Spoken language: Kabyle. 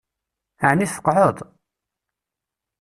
Ɛni tfeqɛeḍ?